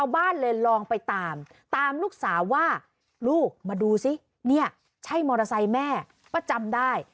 บ้านเลยลองไปตามตามลูกสาวว่าลูกมาดูซิเนี่ยใช่มอเตอร์ไซค์แม่ป้าจำได้